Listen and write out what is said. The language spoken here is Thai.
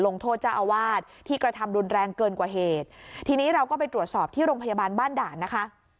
โทษเจ้าอาวาสที่กระทำรุนแรงเกินกว่าเหตุทีนี้เราก็ไปตรวจสอบที่โรงพยาบาลบ้านด่านนะคะ